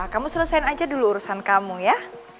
kamu selesain aja dulu urusan kamu ya